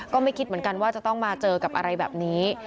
ก็ไม่คิดเหมือนกันว่าจะต้องมาเจอกับอะไรแบบนี้